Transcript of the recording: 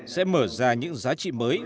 sẽ mở ra những giá trị mới